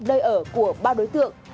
nơi ở của ba đối tượng